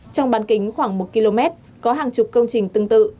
trong bán kính khoảng một km có hàng chục công trình tương tự